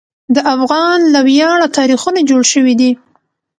د افغان له ویاړه تاریخونه جوړ شوي دي.